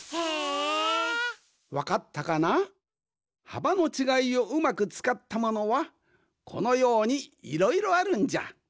はばのちがいをうまくつかったものはこのようにいろいろあるんじゃ。